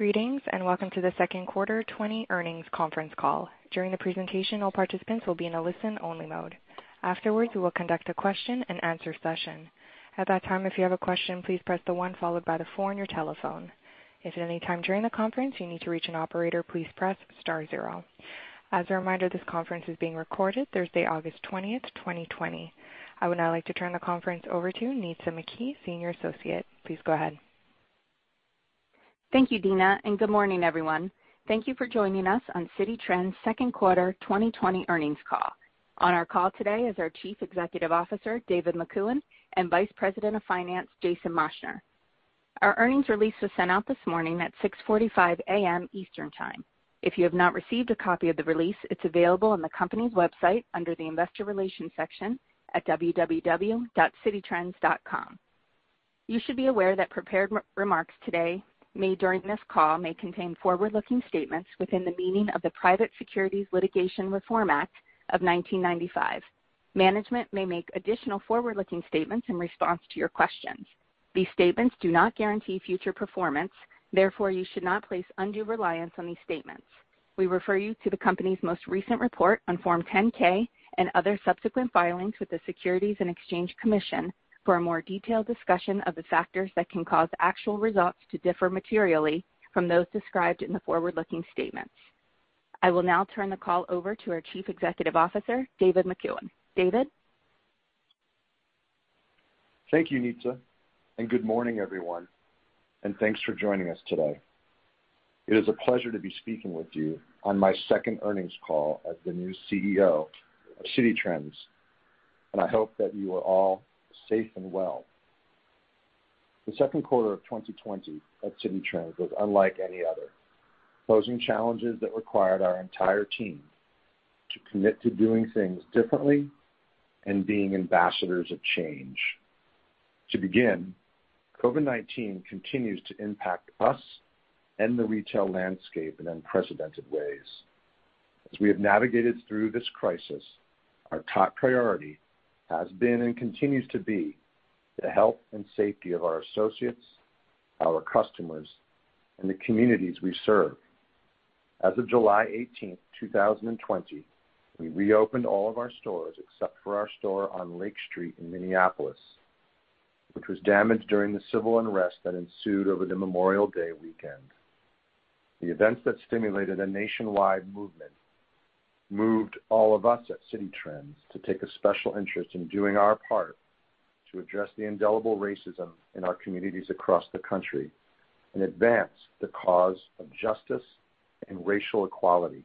Greetings and welcome to the Second Quarter 2020 Earnings Conference Call. During the presentation, all participants will be in a listen-only mode. Afterwards, we will conduct a Q&A session. At that time, if you have a question, please press the one followed by the four on your telephone. If at any time during the conference you need to reach an operator, please press star zero. As a reminder, this conference is being recorded Thursday, August 20th, 2020. I would now like to turn the conference over to Nitza McKee, Senior Associate. Please go ahead. Thank you, Dina, and good morning, everyone. Thank you for joining us on Citi Trends' Second Quarter 2020 Earnings Call. On our call today is our Chief Executive Officer, David Makuen, and Vice President of Finance, Jason Moschner. Our earnings release was sent out this morning at 6:45 A.M. Eastern Time. If you have not received a copy of the release, it's available on the company's website under the Investor Relations section at www.cititrends.com. You should be aware that prepared remarks today made during this call may contain forward-looking statements within the meaning of the Private Securities Litigation Reform Act of 1995. Management may make additional forward-looking statements in response to your questions. These statements do not guarantee future performance; therefore, you should not place undue reliance on these statements. We refer you to the company's most recent report on Form 10-K and other subsequent filings with the Securities and Exchange Commission for a more detailed discussion of the factors that can cause actual results to differ materially from those described in the forward-looking statements. I will now turn the call over to our Chief Executive Officer, David Makuen. David. Thank you, Nitza, and good morning, everyone, and thanks for joining us today. It is a pleasure to be speaking with you on my second earnings call as the new CEO of Citi Trends, and I hope that you are all safe and well. The second quarter of 2020 at Citi Trends was unlike any other, posing challenges that required our entire team to commit to doing things differently and being ambassadors of change. To begin, COVID-19 continues to impact us and the retail landscape in unprecedented ways. As we have navigated through this crisis, our top priority has been and continues to be the health and safety of our associates, our customers, and the communities we serve. As of July 18, 2020, we reopened all of our stores except for our store on Lake Street in Minneapolis, which was damaged during the civil unrest that ensued over the Memorial Day weekend. The events that stimulated a nationwide movement moved all of us at Citi Trends to take a special interest in doing our part to address the indelible racism in our communities across the country and advance the cause of justice and racial equality.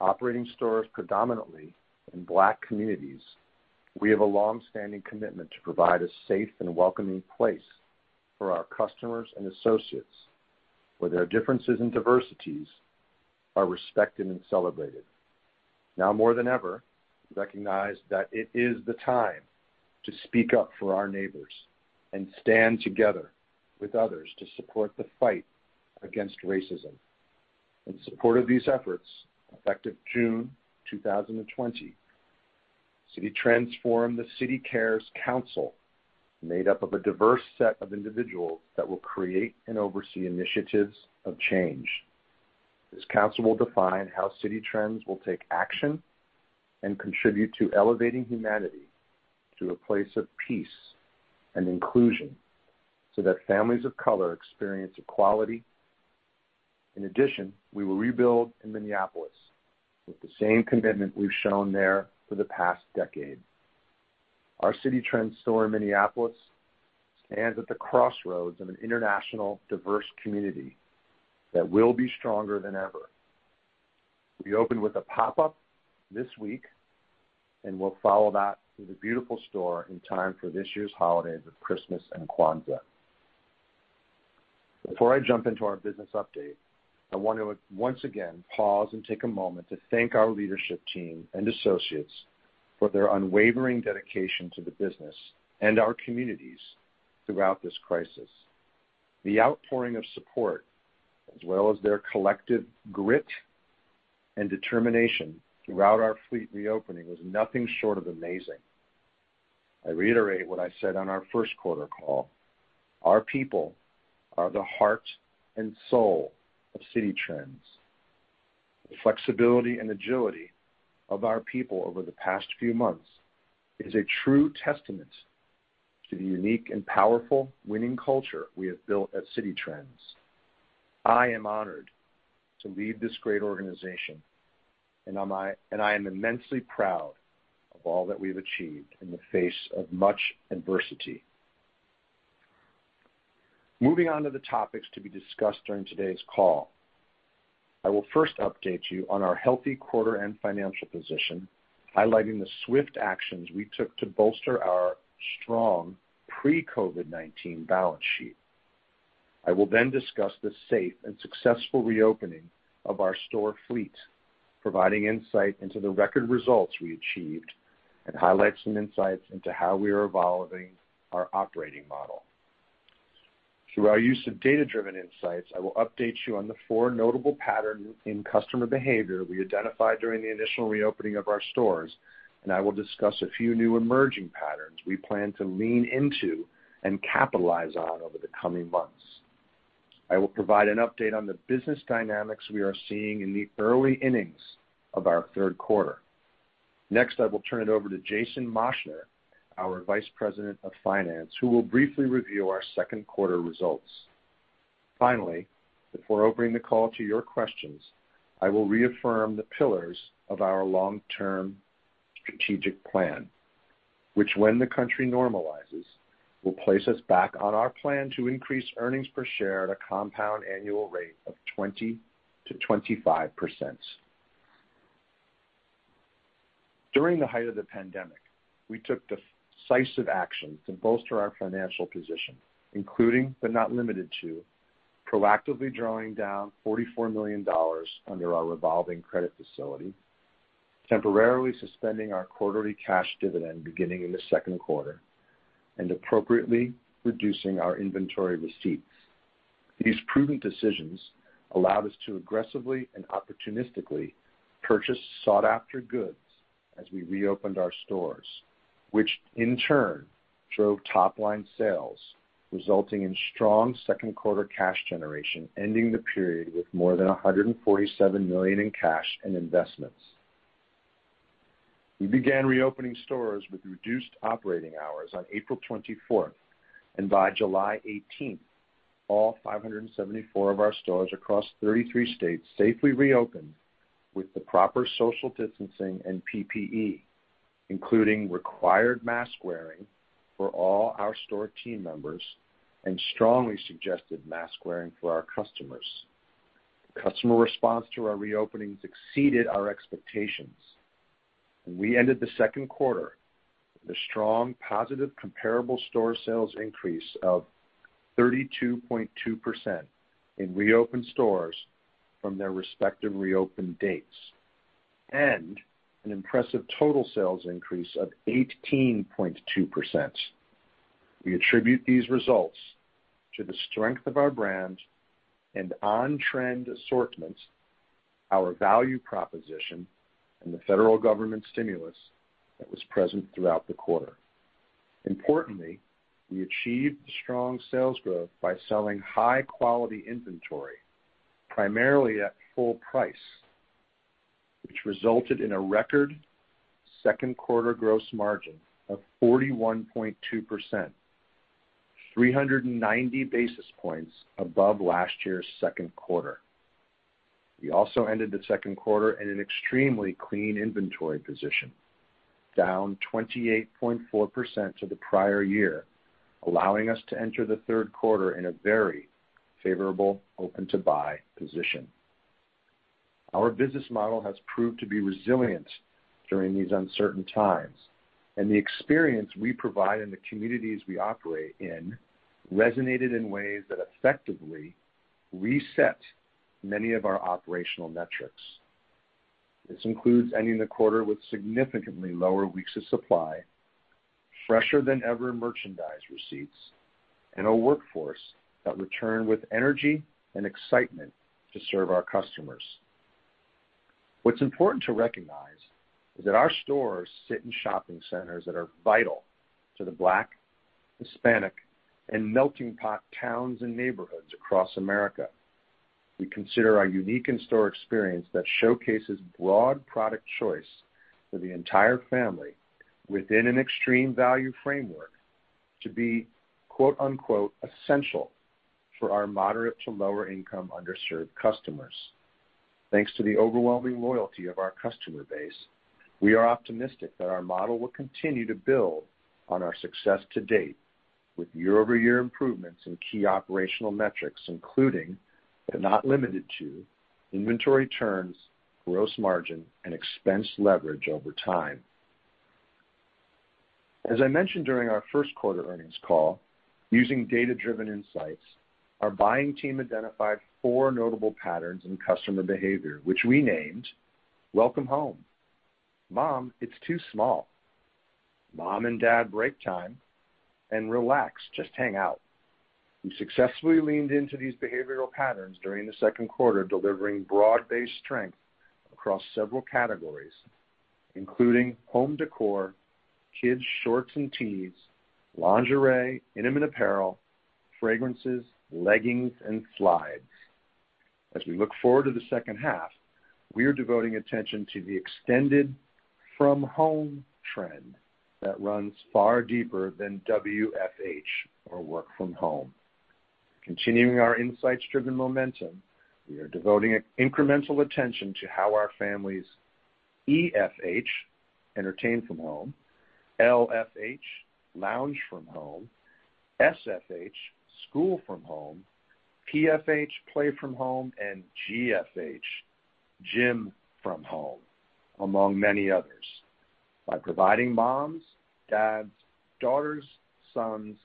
Operating stores predominantly in Black communities, we have a longstanding commitment to provide a safe and welcoming place for our customers and associates where their differences and diversities are respected and celebrated. Now more than ever, we recognize that it is the time to speak up for our neighbors and stand together with others to support the fight against racism. In support of these efforts, effective June 2020, Citi Trends formed the CITIcares Council, made up of a diverse set of individuals that will create and oversee initiatives of change. This council will define how Citi Trends will take action and contribute to elevating humanity to a place of peace and inclusion so that families of color experience equality. In addition, we will rebuild in Minneapolis with the same commitment we've shown there for the past decade. Our Citi Trends store in Minneapolis stands at the crossroads of an international diverse community that will be stronger than ever. We opened with a pop-up this week and will follow that with a beautiful store in time for this year's holidays of Christmas and Kwanzaa. Before I jump into our business update, I want to once again pause and take a moment to thank our leadership team and associates for their unwavering dedication to the business and our communities throughout this crisis. The outpouring of support, as well as their collective grit and determination throughout our fleet reopening, was nothing short of amazing. I reiterate what I said on our first quarter call: our people are the heart and soul of Citi Trends. The flexibility and agility of our people over the past few months is a true testament to the unique and powerful winning culture we have built at Citi Trends. I am honored to lead this great organization, and I am immensely proud of all that we've achieved in the face of much adversity. Moving on to the topics to be discussed during today's call, I will first update you on our healthy quarter-end financial position, highlighting the swift actions we took to bolster our strong pre-COVID-19 balance sheet. I will then discuss the safe and successful reopening of our store fleet, providing insight into the record results we achieved and highlight some insights into how we are evolving our operating model. Through our use of data-driven insights, I will update you on the four notable patterns in customer behavior we identified during the initial reopening of our stores, and I will discuss a few new emerging patterns we plan to lean into and capitalize on over the coming months. I will provide an update on the business dynamics we are seeing in the early innings of our third quarter. Next, I will turn it over to Jason Moschner, our Vice President of Finance, who will briefly review our second quarter results. Finally, before opening the call to your questions, I will reaffirm the pillars of our long-term strategic plan, which, when the country normalizes, will place us back on our plan to increase earnings per share at a compound annual rate of 20%-25%. During the height of the pandemic, we took decisive actions to bolster our financial position, including but not limited to proactively drawing down $44 million under our revolving credit facility, temporarily suspending our quarterly cash dividend beginning in the second quarter, and appropriately reducing our inventory receipts. These prudent decisions allowed us to aggressively and opportunistically purchase sought-after goods as we reopened our stores, which in turn drove top-line sales, resulting in strong second quarter cash generation, ending the period with more than $147 million in cash and investments. We began reopening stores with reduced operating hours on April 24th, and by July 18th, all 574 of our stores across 33 states safely reopened with the proper social distancing and PPE, including required mask-wearing for all our store team members and strongly suggested mask-wearing for our customers. Customer response to our reopenings exceeded our expectations, and we ended the second quarter with a strong, positive, comparable store sales increase of 32.2% in reopened stores from their respective reopen dates and an impressive total sales increase of 18.2%. We attribute these results to the strength of our brand and on-trend assortments, our value proposition, and the federal government stimulus that was present throughout the quarter. Importantly, we achieved strong sales growth by selling high-quality inventory primarily at full price, which resulted in a record second quarter gross margin of 41.2%, 390 basis points above last year's second quarter. We also ended the second quarter in an extremely clean inventory position, down 28.4% to the prior year, allowing us to enter the third quarter in a very favorable open-to-buy position. Our business model has proved to be resilient during these uncertain times, and the experience we provide in the communities we operate in resonated in ways that effectively reset many of our operational metrics. This includes ending the quarter with significantly lower weeks of supply, fresher-than-ever merchandise receipts, and a workforce that returned with energy and excitement to serve our customers. What's important to recognize is that our stores sit in shopping centers that are vital to the Black, Hispanic, and melting pot towns and neighborhoods across America. We consider our unique in-store experience that showcases broad product choice for the entire family within an extreme value framework to be "essential" for our moderate to lower-income underserved customers. Thanks to the overwhelming loyalty of our customer base, we are optimistic that our model will continue to build on our success to date with year-over-year improvements in key operational metrics, including but not limited to inventory turns, gross margin, and expense leverage over time. As I mentioned during our first quarter earnings call, using data-driven insights, our buying team identified four notable patterns in customer behavior, which we named "Welcome Home," "Mom, It's Too Small," "Mom and Dad Break Time," and "Relax, Just Hang Out." We successfully leaned into these behavioral patterns during the second quarter, delivering broad-based strength across several categories, including home decor, kids' shorts and tees, lingerie, intimate apparel, fragrances, leggings, and slides. As we look forward to the second half, we are devoting attention to the extended from home trend that runs far deeper than WFH or work from home. Continuing our insights-driven momentum, we are devoting incremental attention to how our families EFH, entertain from home, LFH, lounge from home, SFH, school from home, PFH, play from home, and GFH, gym from home, among many others, by providing moms, dads, daughters, sons,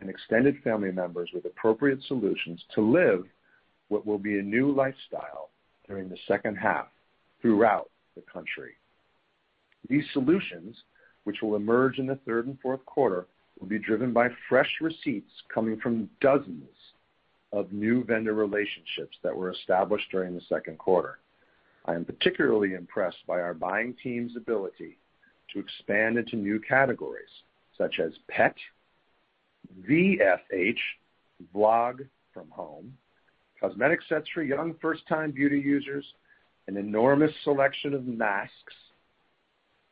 and extended family members with appropriate solutions to live what will be a new lifestyle during the second half throughout the country. These solutions, which will emerge in the third and fourth quarter, will be driven by fresh receipts coming from dozens of new vendor relationships that were established during the second quarter. I am particularly impressed by our buying team's ability to expand into new categories such as pet, VFH, vlog from home, cosmetic sets for young first-time beauty users, an enormous selection of masks,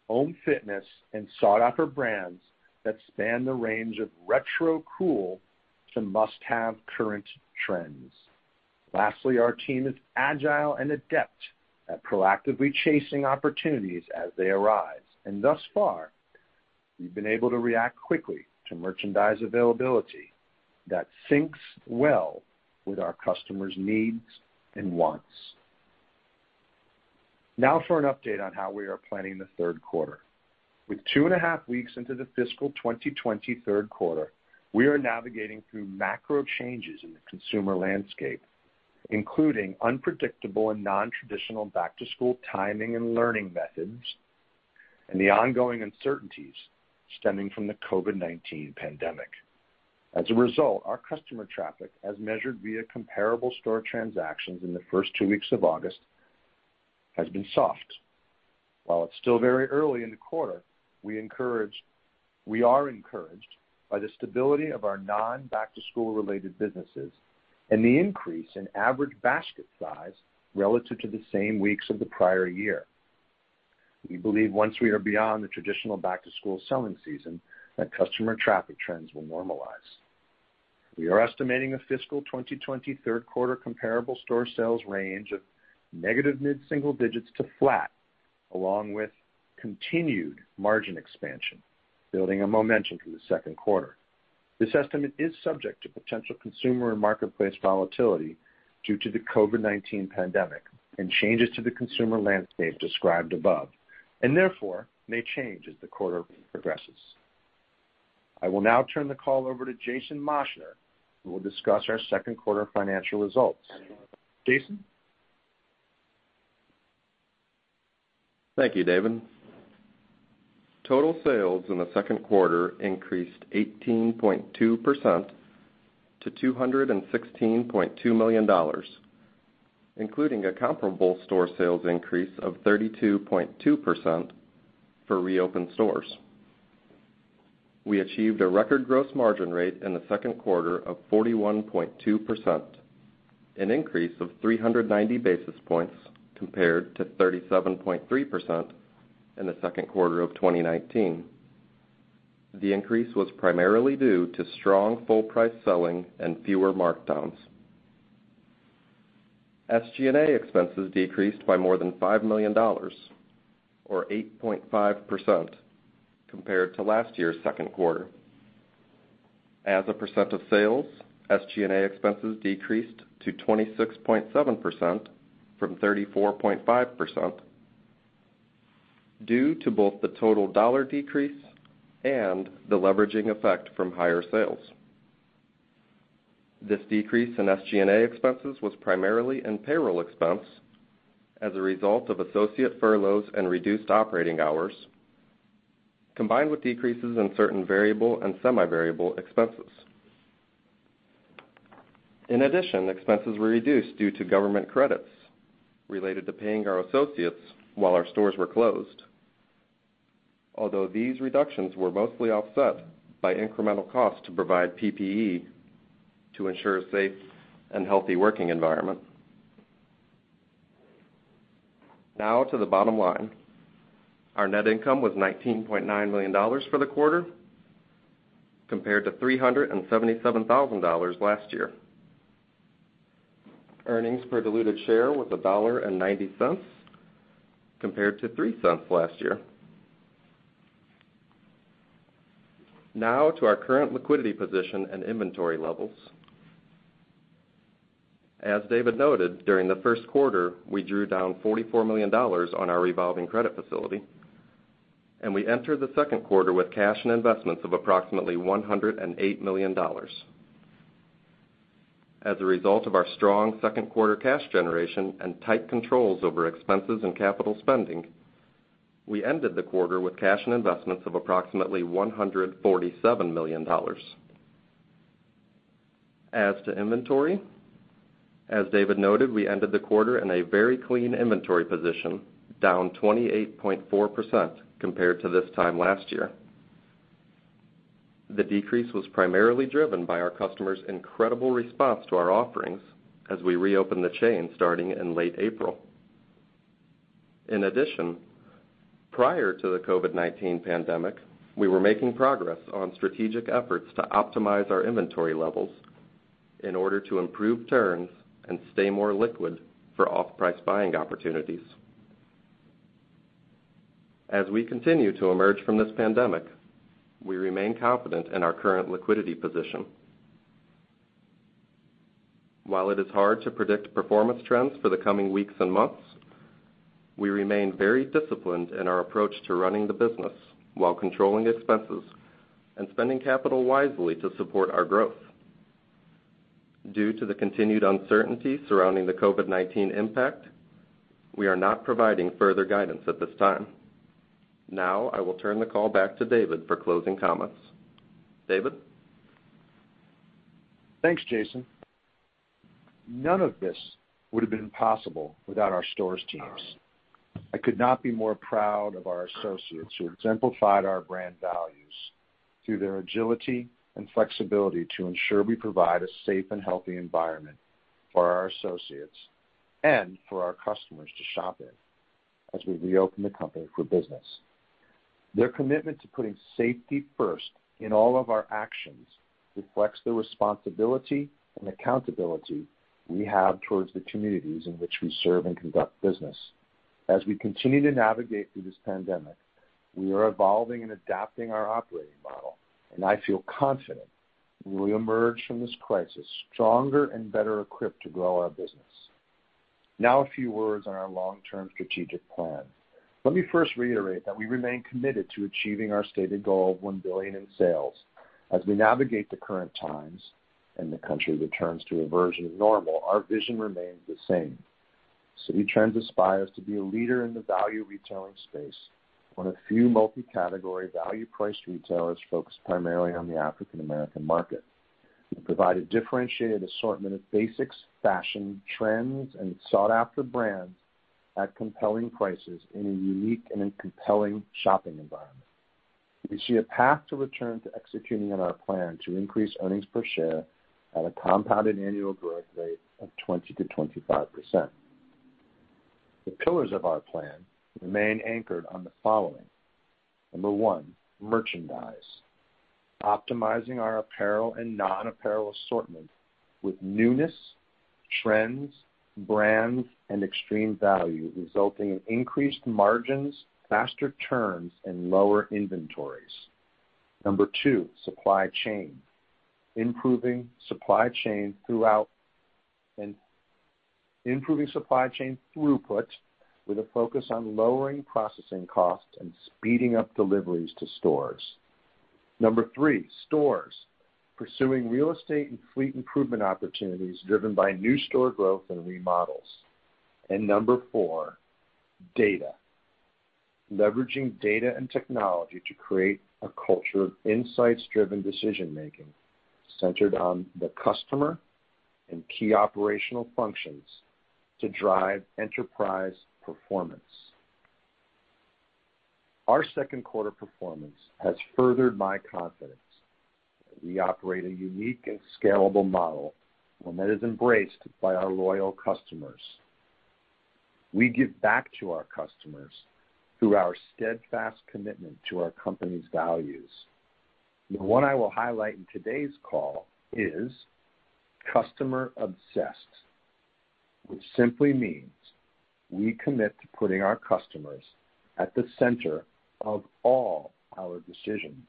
home fitness, and sought-after brands that span the range of retro cool to must-have current trends. Lastly, our team is agile and adept at proactively chasing opportunities as they arise, and thus far, we've been able to react quickly to merchandise availability that syncs well with our customers' needs and wants. Now for an update on how we are planning the third quarter. With two and a half weeks into the fiscal 2020 third quarter, we are navigating through macro changes in the consumer landscape, including unpredictable and non-traditional back-to-school timing and learning methods and the ongoing uncertainties stemming from the COVID-19 pandemic. As a result, our customer traffic, as measured via comparable store transactions in the first two weeks of August, has been soft. While it's still very early in the quarter, we are encouraged by the stability of our non-back-to-school related businesses and the increase in average basket size relative to the same weeks of the prior year. We believe once we are beyond the traditional back-to-school selling season, that customer traffic trends will normalize. We are estimating the fiscal 2020 third quarter comparable store sales range of negative mid-single digits to flat, along with continued margin expansion, building a momentum for the second quarter. This estimate is subject to potential consumer and marketplace volatility due to the COVID-19 pandemic and changes to the consumer landscape described above, and therefore may change as the quarter progresses. I will now turn the call over to Jason Moschner, who will discuss our second quarter financial results. Jason? Thank you, David. Total sales in the second quarter increased 18.2% to $216.2 million, including a comparable store sales increase of 32.2% for reopened stores. We achieved a record gross margin rate in the second quarter of 41.2%, an increase of 390 basis points compared to 37.3% in the second quarter of 2019. The increase was primarily due to strong full-price selling and fewer markdowns. SG&A expenses decreased by more than $5 million, or 8.5%, compared to last year's second quarter. As a percent of sales, SG&A expenses decreased to 26.7% from 34.5% due to both the total dollar decrease and the leveraging effect from higher sales. This decrease in SG&A expenses was primarily in payroll expense as a result of associate furloughs and reduced operating hours, combined with decreases in certain variable and semi-variable expenses. In addition, expenses were reduced due to government credits related to paying our associates while our stores were closed, although these reductions were mostly offset by incremental costs to provide PPE to ensure a safe and healthy working environment. Now to the bottom line. Our net income was $19.9 million for the quarter, compared to $377,000 last year. Earnings per diluted share was $1.90, compared to $0.03 last year. Now to our current liquidity position and inventory levels. As David noted, during the first quarter, we drew down $44 million on our revolving credit facility, and we entered the second quarter with cash and investments of approximately $108 million. As a result of our strong second quarter cash generation and tight controls over expenses and capital spending, we ended the quarter with cash and investments of approximately $147 million. As to inventory, as David noted, we ended the quarter in a very clean inventory position, down 28.4% compared to this time last year. The decrease was primarily driven by our customers' incredible response to our offerings as we reopened the chain starting in late April. In addition, prior to the COVID-19 pandemic, we were making progress on strategic efforts to optimize our inventory levels in order to improve turns and stay more liquid for off-price buying opportunities. As we continue to emerge from this pandemic, we remain confident in our current liquidity position. While it is hard to predict performance trends for the coming weeks and months, we remain very disciplined in our approach to running the business while controlling expenses and spending capital wisely to support our growth. Due to the continued uncertainty surrounding the COVID-19 impact, we are not providing further guidance at this time. Now I will turn the call back to David for closing comments. David? Thanks, Jason. None of this would have been possible without our stores' teams. I could not be more proud of our associates who exemplified our brand values through their agility and flexibility to ensure we provide a safe and healthy environment for our associates and for our customers to shop in as we reopen the company for business. Their commitment to putting safety first in all of our actions reflects the responsibility and accountability we have towards the communities in which we serve and conduct business. As we continue to navigate through this pandemic, we are evolving and adapting our operating model, and I feel confident we will emerge from this crisis stronger and better equipped to grow our business. Now a few words on our long-term strategic plan. Let me first reiterate that we remain committed to achieving our stated goal of $1 billion in sales. As we navigate the current times and the country returns to a version of normal, our vision remains the same. Citi Trends aspires to be a leader in the value retailing space with a few multi-category value-priced retailers focused primarily on the African-American market. We provide a differentiated assortment of basics, fashion, trends, and sought-after brands at compelling prices in a unique and compelling shopping environment. We see a path to return to executing on our plan to increase earnings per share at a compounded annual growth rate of 20%-25%. The pillars of our plan remain anchored on the following: Number one, merchandise. Optimizing our apparel and non-apparel assortment with newness, trends, brands, and extreme value resulting in increased margins, faster turns, and lower inventories. Number two, supply chain. Improving supply chain throughput with a focus on lowering processing costs and speeding up deliveries to stores. Number three, stores. Pursuing real estate and fleet improvement opportunities driven by new store growth and remodels. Number four, data. Leveraging data and technology to create a culture of insights-driven decision-making centered on the customer and key operational functions to drive enterprise performance. Our second quarter performance has furthered my confidence that we operate a unique and scalable model when that is embraced by our loyal customers. We give back to our customers through our steadfast commitment to our company's values. The one I will highlight in today's call is customer-obsessed, which simply means we commit to putting our customers at the center of all our decisions.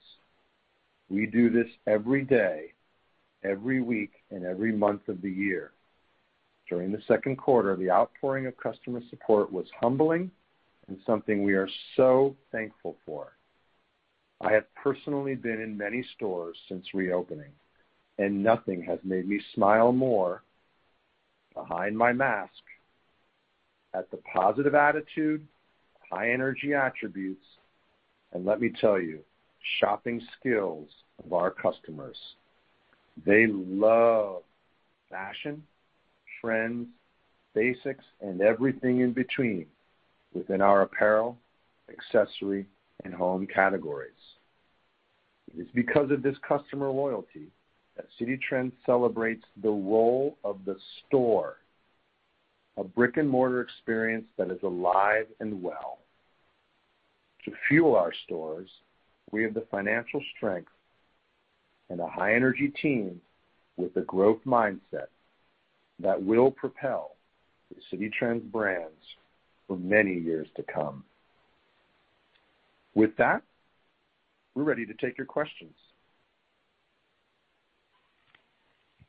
We do this every day, every week, and every month of the year. During the second quarter, the outpouring of customer support was humbling and something we are so thankful for. I have personally been in many stores since reopening, and nothing has made me smile more behind my mask at the positive attitude, high-energy attributes, and let me tell you, shopping skills of our customers. They love fashion, trends, basics, and everything in between within our apparel, accessory, and home categories. It is because of this customer loyalty that Citi Trends celebrates the role of the store, a brick-and-mortar experience that is alive and well. To fuel our stores, we have the financial strength and a high-energy team with a growth mindset that will propel the Citi Trends brands for many years to come. With that, we're ready to take your questions.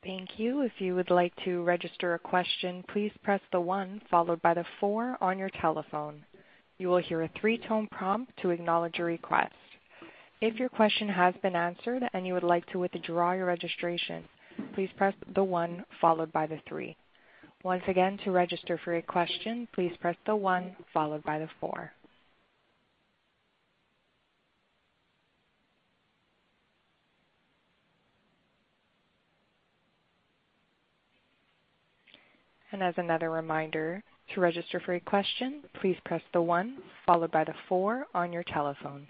Thank you. If you would like to register a question, please press the one followed by the four on your telephone. You will hear a three-tone prompt to acknowledge your request. If your question has been answered and you would like to withdraw your registration, please press the one followed by the three. Once again, to register for a question, please press the one followed by the four. As another reminder, to register for a question, please press the one followed by the four on your telephone.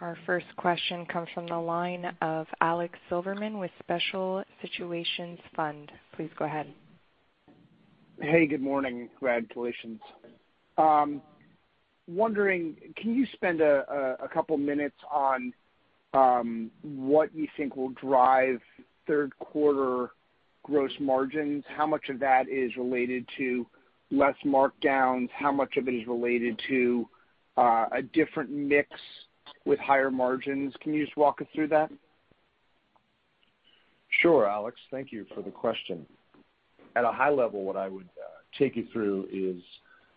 Our first question comes from the line of Alex Silverman with Special Situations Fund. Please go ahead. Hey, good morning. Congratulations. Wondering, can you spend a couple of minutes on what you think will drive third quarter gross margins? How much of that is related to less markdowns? How much of it is related to a different mix with higher margins? Can you just walk us through that? Sure, Alex. Thank you for the question. At a high level, what I would take you through is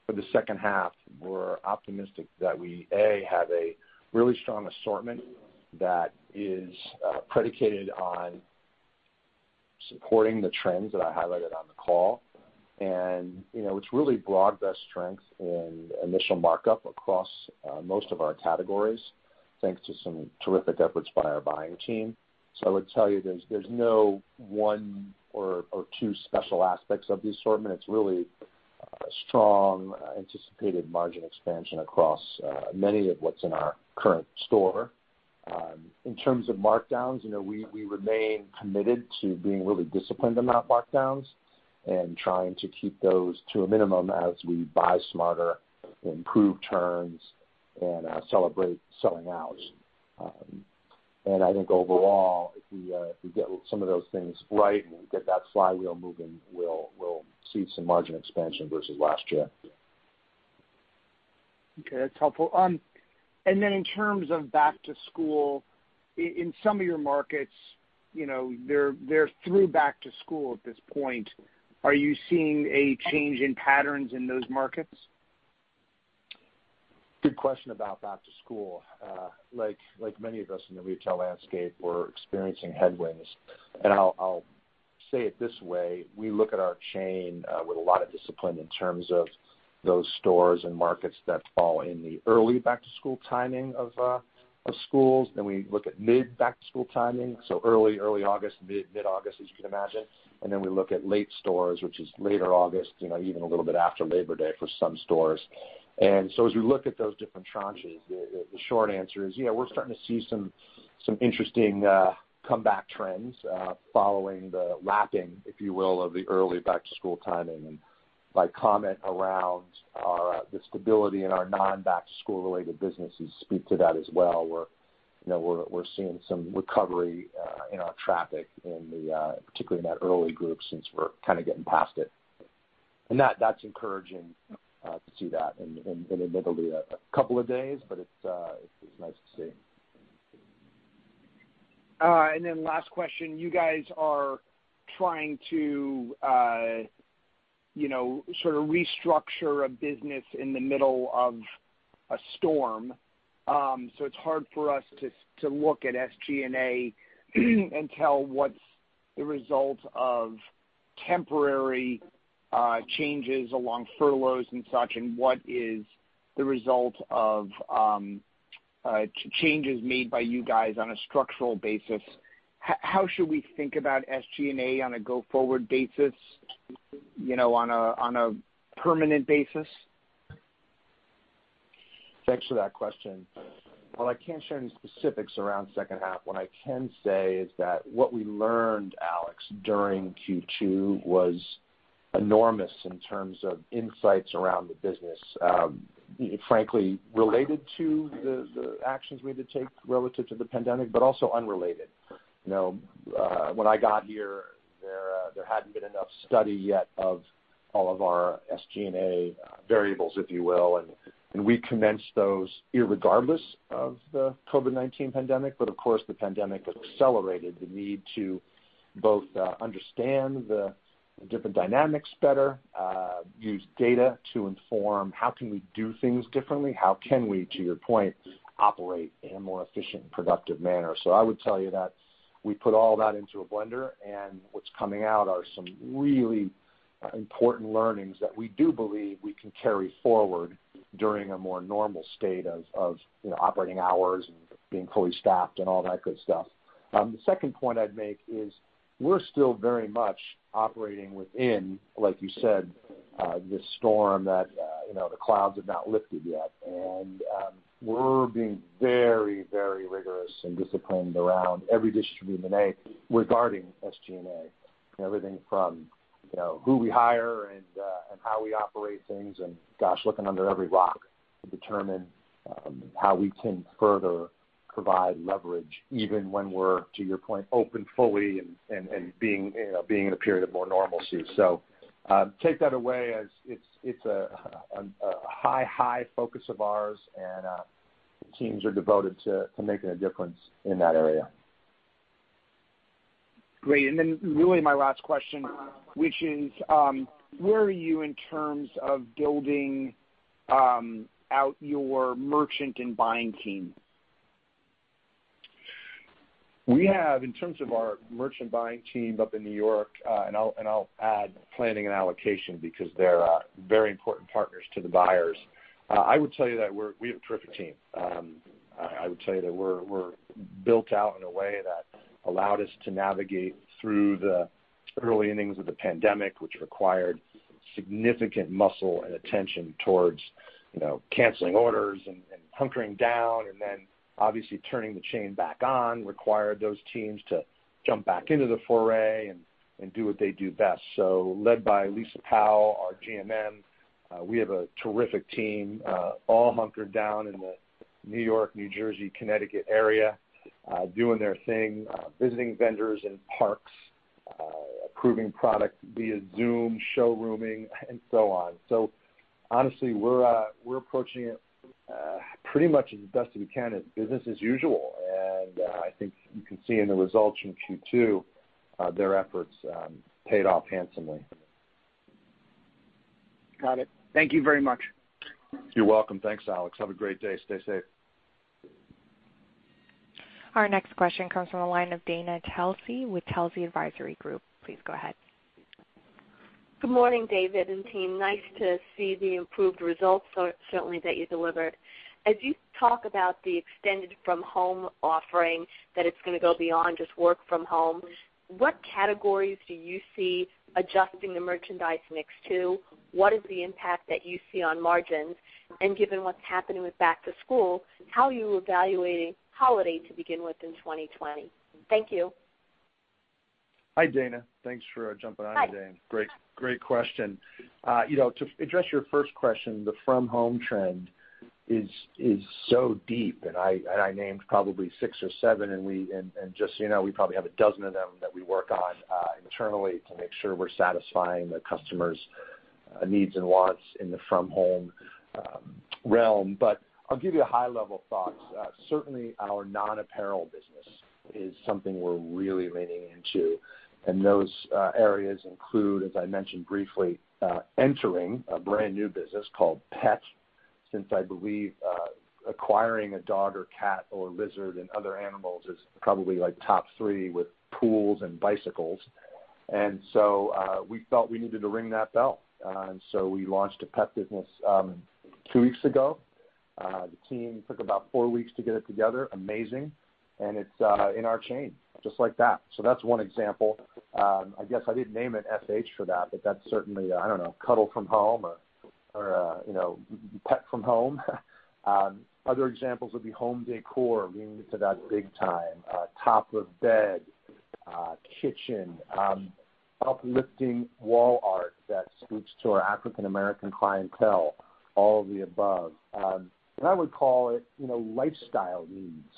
for the second half, we're optimistic that we, A, have a really strong assortment that is predicated on supporting the trends that I highlighted on the call. It is really broad-based strength and initial markup across most of our categories, thanks to some terrific efforts by our buying team. I would tell you there's no one or two special aspects of the assortment. It is really strong, anticipated margin expansion across many of what's in our current store. In terms of markdowns, we remain committed to being really disciplined on our markdowns and trying to keep those to a minimum as we buy smarter, improve turns, and celebrate selling out. I think overall, if we get some of those things right and we get that flywheel moving, we'll see some margin expansion versus last year. Okay. That's helpful. In terms of back-to-school, in some of your markets, they're through back-to-school at this point. Are you seeing a change in patterns in those markets? Good question about back-to-school. Like many of us in the retail landscape, we're experiencing headwinds. I'll say it this way. We look at our chain with a lot of discipline in terms of those stores and markets that fall in the early back-to-school timing of schools. We look at mid-back-to-school timing, so early, early August, mid-August, as you can imagine. We look at late stores, which is later August, even a little bit after Labor Day for some stores. As we look at those different tranches, the short answer is, yeah, we're starting to see some interesting comeback trends following the lapping, if you will, of the early back-to-school timing. My comment around the stability in our non-back-to-school-related businesses speaks to that as well. We're seeing some recovery in our traffic, particularly in that early group since we're kind of getting past it. That's encouraging to see that in the middle of a couple of days, but it's nice to see. Last question. You guys are trying to sort of restructure a business in the middle of a storm. It's hard for us to look at SG&A and tell what's the result of temporary changes along furloughs and such and what is the result of changes made by you guys on a structural basis. How should we think about SG&A on a go-forward basis, on a permanent basis? Thanks for that question. I can't share any specifics around second half. What I can say is that what we learned, Alex, during Q2 was enormous in terms of insights around the business, frankly, related to the actions we had to take relative to the pandemic, but also unrelated. When I got here, there had not been enough study yet of all of our SG&A variables, if you will, and we commenced those regardless of the COVID-19 pandemic. Of course, the pandemic accelerated the need to both understand the different dynamics better, use data to inform how can we do things differently, how can we, to your point, operate in a more efficient and productive manner. I would tell you that we put all that into a blender, and what's coming out are some really important learnings that we do believe we can carry forward during a more normal state of operating hours and being fully staffed and all that good stuff. The second point I'd make is we're still very much operating within, like you said, the storm that the clouds have not lifted yet. We're being very, very rigorous and disciplined around every discipline regarding SG&A, everything from who we hire and how we operate things and, gosh, looking under every rock to determine how we can further provide leverage even when we're, to your point, open fully and being in a period of more normalcy. Take that away as it's a high, high focus of ours, and the teams are devoted to making a difference in that area. Great. Really my last question, which is, where are you in terms of building out your merchant and buying team? We have, in terms of our merchant buying team up in New York, and I'll add planning and allocation because they're very important partners to the buyers. I would tell you that we have a terrific team. I would tell you that we're built out in a way that allowed us to navigate through the early innings of the pandemic, which required significant muscle and attention towards canceling orders and hunkering down, and then obviously turning the chain back on required those teams to jump back into the foray and do what they do best. Led by Lisa Powell, our GMM, we have a terrific team all hunkered down in the New York, New Jersey, Connecticut area doing their thing, visiting vendors in parks, approving product via Zoom, showrooming, and so on. Honestly, we're approaching it pretty much as best as we can as business as usual. I think you can see in the results from Q2, their efforts paid off handsomely. Got it. Thank you very much. You're welcome. Thanks, Alex. Have a great day. Stay safe. Our next question comes from the line of Dana Telsey with Telsey Advisory Group. Please go ahead. Good morning, David and team. Nice to see the improved results, certainly, that you delivered. As you talk about the extended from home offering that it's going to go beyond just work from home, what categories do you see adjusting the merchandise mix to? What is the impact that you see on margins? And given what's happening with back-to-school, how are you evaluating holiday to begin with in 2020? Thank you. Hi, Dana. Thanks for jumping on today. Great question. To address your first question, the from home trend is so deep, and I named probably six or seven, and just so you know, we probably have a dozen of them that we work on internally to make sure we're satisfying the customer's needs and wants in the from home realm. I'll give you a high-level thought. Certainly, our non-apparel business is something we're really leaning into. Those areas include, as I mentioned briefly, entering a brand new business called Pet, since I believe acquiring a dog or cat or lizard and other animals is probably top three with pools and bicycles. We felt we needed to ring that bell. We launched a pet business two weeks ago. The team took about four weeks to get it together. Amazing. It's in our chain, just like that. That's one example. I guess I didn't name it SH for that, but that's certainly, I don't know, cuddle from home or pet from home. Other examples would be home decor, leaning to that big time, top of bed, kitchen, uplifting wall art that speaks to our African-American clientele, all of the above. I would call it lifestyle needs.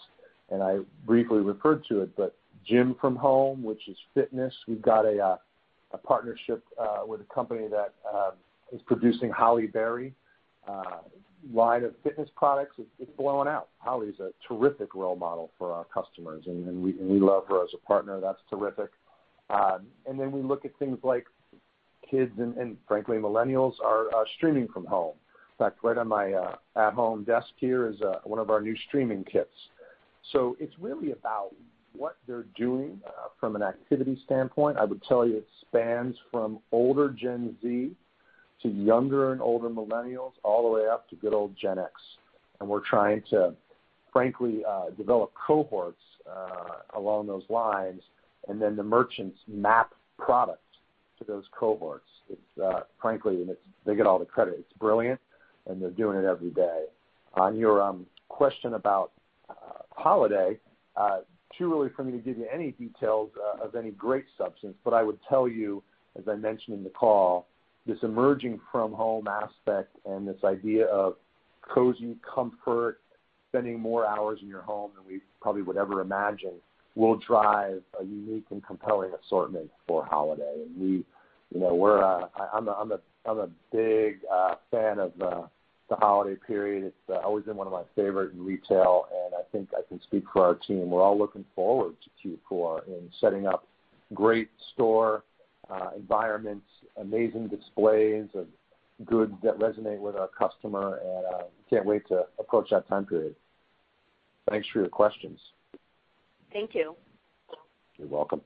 I briefly referred to it, but gym from home, which is fitness. We've got a partnership with a company that is producing Halle Berry line of fitness products. It's blowing out. Halle is a terrific role model for our customers, and we love her as a partner. That's terrific. We look at things like kids and, frankly, millennials are streaming from home. In fact, right on my at-home desk here is one of our new streaming kits. It is really about what they are doing from an activity standpoint. I would tell you it spans from older Gen Z to younger and older millennials all the way up to good-old Gen X. We are trying to, frankly, develop cohorts along those lines, and then the merchants map products to those cohorts. Frankly, they get all the credit. It is brilliant, and they are doing it every day. On your question about holiday, too early for me to give you any details of any great substance, but I would tell you, as I mentioned in the call, this emerging from home aspect and this idea of cozy comfort, spending more hours in your home than we probably would ever imagine, will drive a unique and compelling assortment for holiday. I'm a big fan of the holiday period. It's always been one of my favorites in retail, and I think I can speak for our team. We're all looking forward to Q4 in setting up great store environments, amazing displays of goods that resonate with our customer, and I can't wait to approach that time period. Thanks for your questions. Thank you. You're welcome.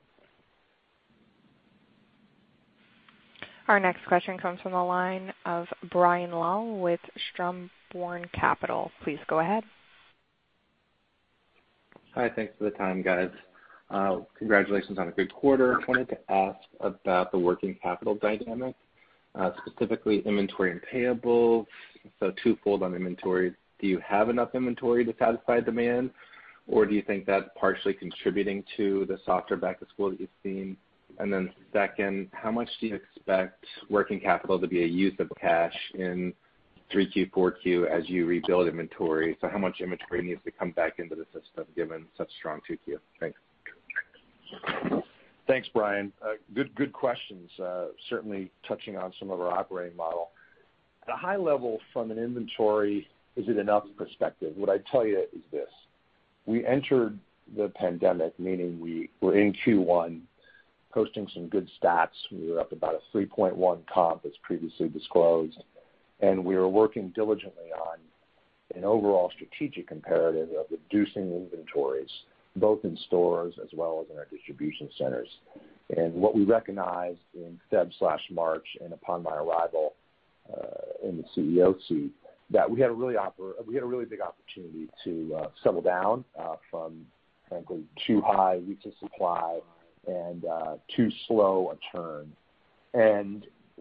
Our next question comes from the line of Brian Long with Stormborn Capital. Please go ahead. Hi. Thanks for the time, guys. Congratulations on a good quarter. I wanted to ask about the working capital dynamic, specifically inventory and payables. Twofold on inventory. Do you have enough inventory to satisfy demand, or do you think that's partially contributing to the softer back-to-school that you've seen? Second, how much do you expect working capital to be a use of cash in 3Q, 4Q as you rebuild inventory? How much inventory needs to come back into the system given such strong 2Q? Thanks. Thanks, Brian. Good questions. Certainly touching on some of our operating model. At a high level, from an inventory is it enough perspective, what I'd tell you is this. We entered the pandemic, meaning we were in Q1 posting some good stats. We were up about a 3.1% comp as previously disclosed, and we were working diligently on an overall strategic imperative of reducing inventories, both in stores as well as in our distribution centers. What we recognized in February/March and upon my arrival in the CEO seat is that we had a really big opportunity to settle down from, frankly, too high weeks of supply and too slow a turn.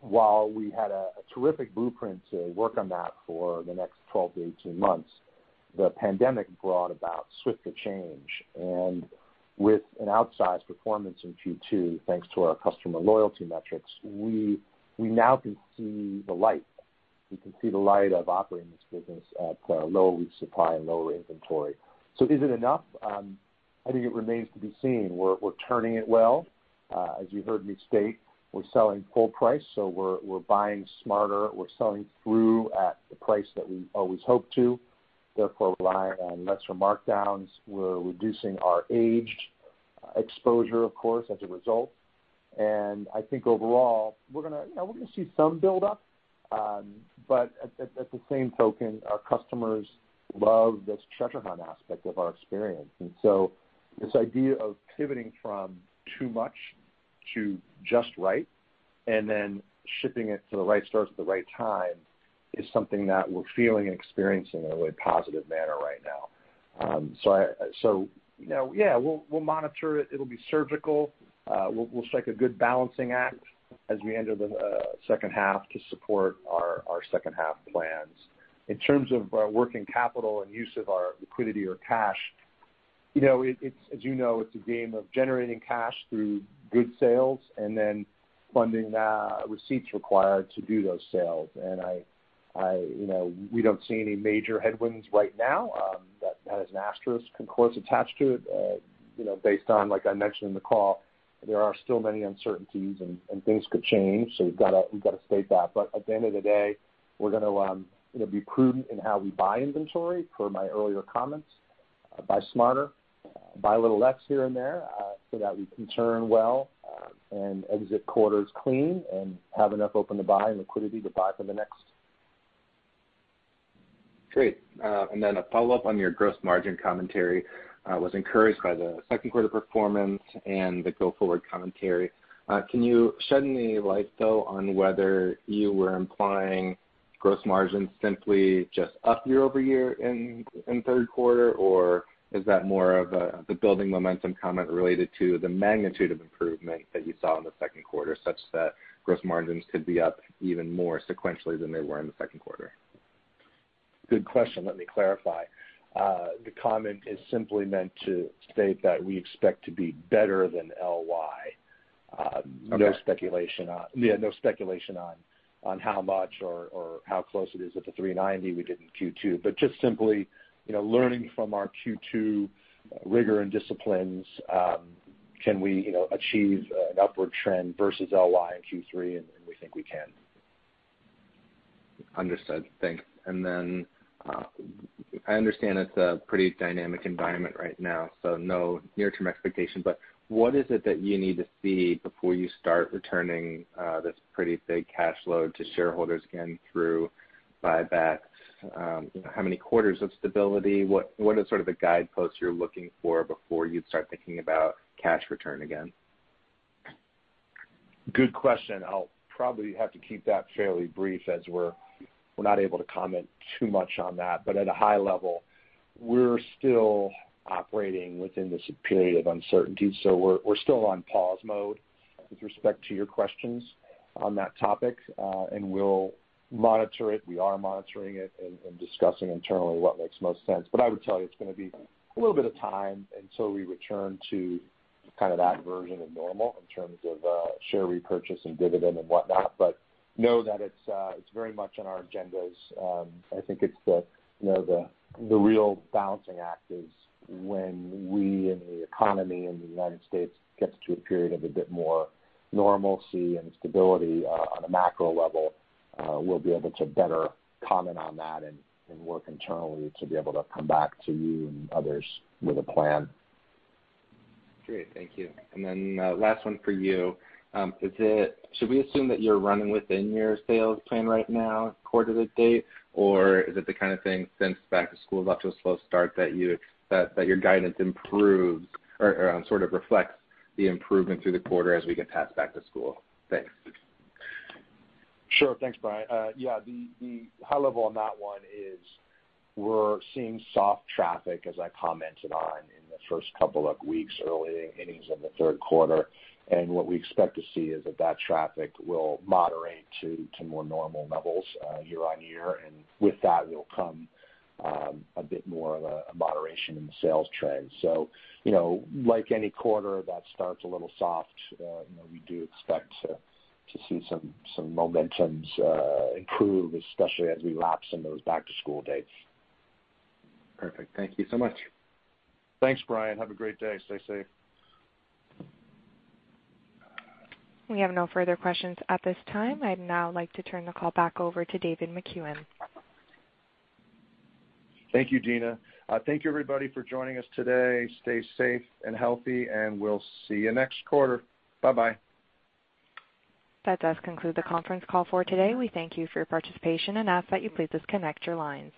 While we had a terrific blueprint to work on that for the next 12 to 18 months, the pandemic brought about swift change. With an outsized performance in Q2, thanks to our customer loyalty metrics, we now can see the light. We can see the light of operating this business at lower weeks of supply and lower inventory. Is it enough? I think it remains to be seen. We're turning it well. As you heard me state, we're selling full price, so we're buying smarter. We're selling through at the price that we always hope to. Therefore, we're relying on lesser markdowns. We're reducing our aged exposure, of course, as a result. I think overall, we're going to see some buildup. At the same token, our customers love this treasure hunt aspect of our experience. This idea of pivoting from too much to just right and then shipping it to the right stores at the right time is something that we're feeling and experiencing in a really positive manner right now. Yeah, we'll monitor it. It'll be surgical. We'll strike a good balancing act as we enter the second half to support our second half plans. In terms of working capital and use of our liquidity or cash, as you know, it's a game of generating cash through good sales and then funding the receipts required to do those sales. We don't see any major headwinds right now. That has an asterisk, of course, attached to it. Based on, like I mentioned in the call, there are still many uncertainties and things could change, so we've got to state that. At the end of the day, we're going to be prudent in how we buy inventory per my earlier comments. Buy smarter, buy a little less here and there so that we can turn well and exit quarters clean and have enough open to buy and liquidity to buy for the next. Great. A follow-up on your gross margin commentary was encouraged by the second quarter performance and the go-forward commentary. Can you shed any light, though, on whether you were implying gross margins simply just up year over year in third quarter, or is that more of a building momentum comment related to the magnitude of improvement that you saw in the second quarter such that gross margins could be up even more sequentially than they were in the second quarter? Good question. Let me clarify. The comment is simply meant to state that we expect to be better than LY. No speculation on how much or how close it is to 390 we did in Q2, but just simply learning from our Q2 rigor and disciplines, can we achieve an upward trend versus LY in Q3, and we think we can. Understood. Thanks. I understand it's a pretty dynamic environment right now, so no near-term expectation. What is it that you need to see before you start returning this pretty big cash flow to shareholders again through buybacks? How many quarters of stability? What is sort of the guidepost you're looking for before you'd start thinking about cash return again? Good question. I'll probably have to keep that fairly brief as we're not able to comment too much on that. At a high level, we're still operating within this period of uncertainty, so we're still on pause mode with respect to your questions on that topic, and we'll monitor it. We are monitoring it and discussing internally what makes most sense. I would tell you it's going to be a little bit of time until we return to kind of that version of normal in terms of share repurchase and dividend and whatnot. Know that it's very much on our agendas. I think the real balancing act is when we in the economy in the United States get to a period of a bit more normalcy and stability on a macro level, we will be able to better comment on that and work internally to be able to come back to you and others with a plan. Great. Thank you. Last one for you. Should we assume that you are running within your sales plan right now, quarter to date, or is it the kind of thing since back-to-school left us a slow start that your guidance improves or sort of reflects the improvement through the quarter as we get past back-to-school? Thanks. Sure. Thanks, Brian. Yeah. The high level on that one is we are seeing soft traffic, as I commented on, in the first couple of weeks, early innings of the third quarter. What we expect to see is that traffic will moderate to more normal levels year on year. With that, there will come a bit more of a moderation in the sales trend. Like any quarter that starts a little soft, we do expect to see some momentum improve, especially as we lapse in those back-to-school dates. Perfect. Thank you so much. Thanks, Brian. Have a great day. Stay safe. We have no further questions at this time. I would now like to turn the call back over to David Makuen. Thank you, Dana. Thank you, everybody, for joining us today. Stay safe and healthy, and we will see you next quarter. Bye-bye. That does conclude the conference call for today. We thank you for your participation and ask that you please disconnect your lines.